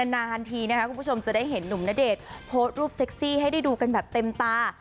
นานทีนะคะคุณผู้ชมจะได้เห็นหนุ่มณเดชน์โพสต์รูปเซ็กซี่ให้ได้ดูกันแบบเต็มตา